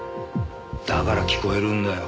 だから聞こえるんだよ